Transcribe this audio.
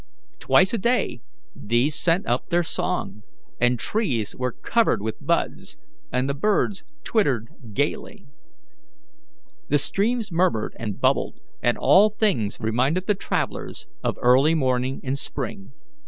Twice a day these sent up their song, and trees were covered with buds, and the birds twittered gaily. The streams murmured and bubbled, and all things reminded the travellers of early morning in spring.